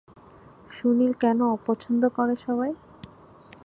সুনিল কেন অপছন্দ করে সবাই?